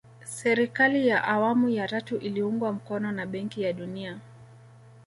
serikali ya awamu ya tatu iliungwa mkono na benki ya dunia